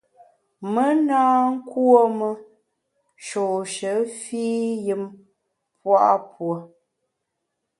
Me na nkuôme nshôshe fii yùm pua’ puo.